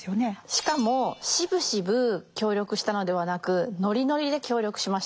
しかもしぶしぶ協力したのではなくノリノリで協力しました。